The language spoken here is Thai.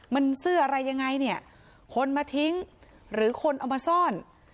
มันเสื้ออะไรยังไงเนี่ยคนมาทิ้งหรือคนเอามาซ่อน